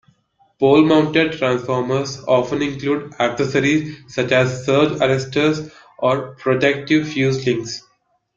Pole-mounted transformers often include accessories such as surge arresters or protective fuse links.